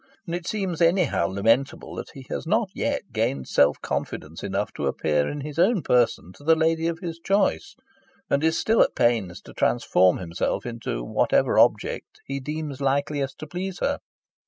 And it seems anyhow lamentable that he has not yet gained self confidence enough to appear in his own person to the lady of his choice, and is still at pains to transform himself into whatever object he deems likeliest to please her.